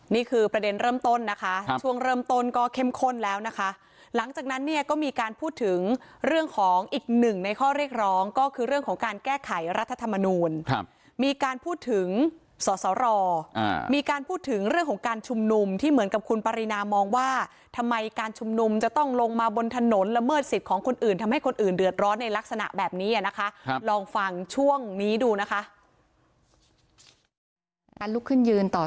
นี่คือประเด็นเริ่มต้นนะคะช่วงเริ่มต้นก็เข้มข้นแล้วนะคะหลังจากนั้นเนี่ยก็มีการพูดถึงเรื่องของอีกหนึ่งในข้อเรียกร้องก็คือเรื่องของการแก้ไขรัฐธรรมนูลมีการพูดถึงสสรมีการพูดถึงเรื่องของการชุมนุมที่เหมือนกับคุณปรินามองว่าทำไมการชุมนุมจะต้องลงมาบนถนนละเมิดสิทธิ์ของคนอื่นทำให้คนอื่นเดือดร้อนในลักษณะแบบนี้นะคะลองฟังช่วงนี้ดูนะคะ